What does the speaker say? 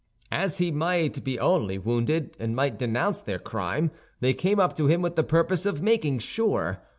As he might be only wounded and might denounce their crime, they came up to him with the purpose of making sure.